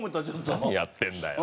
何やってんだよ。